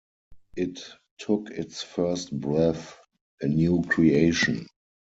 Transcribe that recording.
It took its first breath; a new creation!